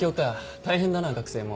大変だな学生も。